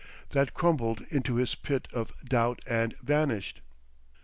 That crumpled into his pit of doubt and vanished.